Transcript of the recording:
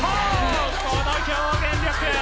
この表現力！